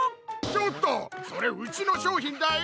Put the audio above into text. ちょっとそれうちのしょうひんだよ！